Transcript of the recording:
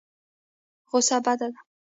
غوسه بده ده.